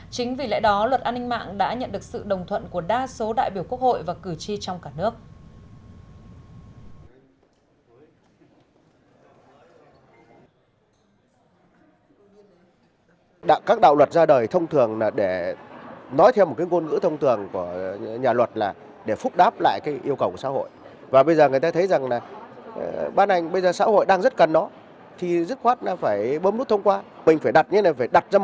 chính vì lẽ đó luật an ninh mạng đã nhận được sự đồng thuận của đa số đại biểu quốc hội và cử tri trong cả nước